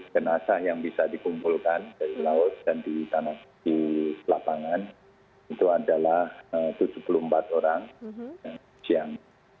jenazah yang bisa dikumpulkan dari laut dan di lapangan itu adalah tujuh puluh empat orang siang